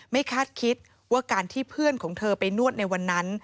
คาดคิดว่าการที่เพื่อนของเธอไปนวดในวันนั้น